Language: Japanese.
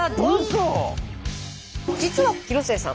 実は広末さん